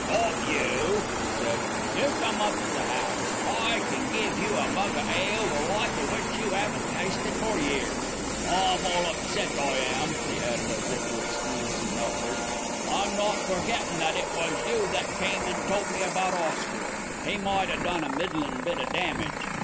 "Not you," he said, "you come up to the house. I can give you a mug of ale the like of which you haven't tasted for years. I'm all upset, I am," he added, as if to excuse his outburst. "I'm not forgettin' that it was you that came an' told me about Oscar. He might a done a middlin' bit o' damage."